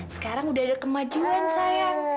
sekarang udah ada kemajuan sayang